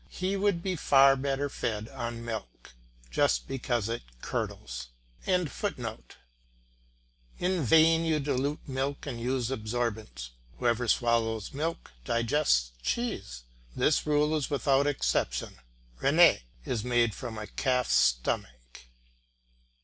He would be far better fed on milk, just because it curdles.] In vain you dilute milk and use absorbents; whoever swallows milk digests cheese, this rule is without exception; rennet is made from a calf's stomach.